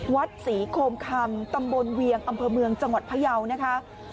วัดศรีโคมคำตำบลเวียงอำเภอเมืองจังหวัดพยาวนะคะ